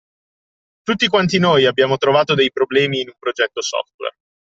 Tutti quanti noi abbiamo trovato dei problemi in un progetto software